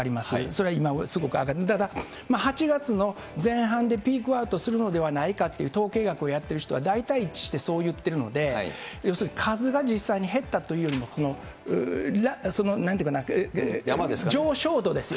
それは今、だから、８月の前半でピークアウトするのではないかという統計学をやってる人は、大体一致してそういっているので、要するに、数が実際に減ったというよりも、なんて言うかな、上昇度です。